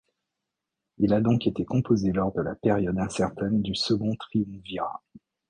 Il a donc été composé lors de la période incertaine du second triumvirat.